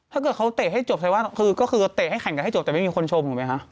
ถ้าเกิดเขาเตะให้จบแสดงว่าคือก็คือเตะให้แข่งกันให้จบแต่ไม่มีคนชมถูกไหมคะ